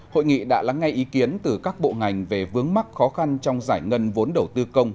hội nghị đã lắng ngay ý kiến từ các bộ ngành về vướng mắc khó khăn trong giải ngân vốn đầu tư công